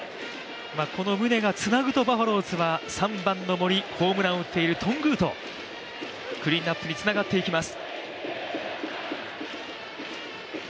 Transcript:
この宗がつなぐとバファローズは３番の森ホームランを打っている頓宮と、クリーンアップにつながっていきます。